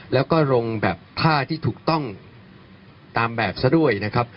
แล้วก็ลงแบบท่าที่ถูกต้องตามแบบซะด้วยนะครับ